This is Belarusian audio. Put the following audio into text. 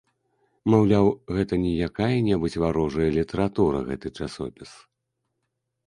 Маўляў, гэта не якая-небудзь варожая літаратура гэты часопіс.